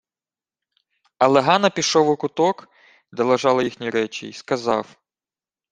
Але Гано пішов у куток, де лежали їхні речі, й сказав: